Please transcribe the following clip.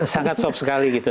sangat soft sekali gitu